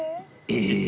ええ？